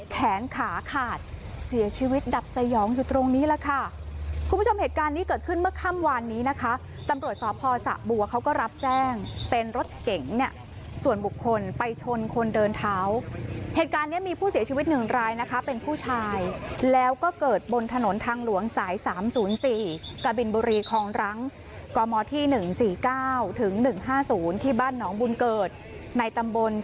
แขนขาขาดเสียชีวิตดับสยองอยู่ตรงนี้แหละค่ะคุณผู้ชมเหตุการณ์นี้เกิดขึ้นเมื่อค่ำวานนี้นะคะตำรวจสพสะบัวเขาก็รับแจ้งเป็นรถเก๋งเนี่ยส่วนบุคคลไปชนคนเดินเท้าเหตุการณ์เนี้ยมีผู้เสียชีวิตหนึ่งรายนะคะเป็นผู้ชายแล้วก็เกิดบนถนนทางหลวงสาย๓๐๔กบินบุรีคลองรังกมที่๑๔๙ถึง๑๕๐ที่บ้านหนองบุญเกิดในตำบล